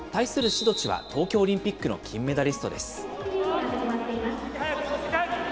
志土地は東京オリンピックの金メダリストです。